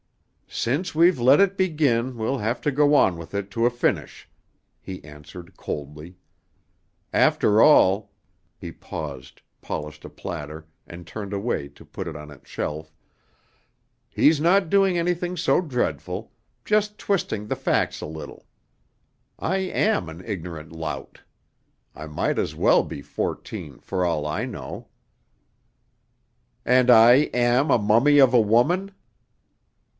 "Since we've let it begin, we'll have to go on with it to a finish," he answered coldly. "After all" he paused, polished a platter and turned away to put it on its shelf "he's not doing anything so dreadful just twisting the facts a little. I am an ignorant lout. I might as well be fourteen, for all I know." "And I am a mummy of a woman?"